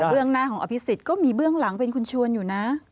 เรื่องหน้าของอภิษฎก็มีเบื้องหลังเป็นคุณชวนอยู่นะ